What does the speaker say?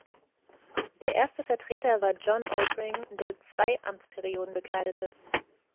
Der erste Vertreter war John Oldring, der zwei Amtsperioden bekleidete.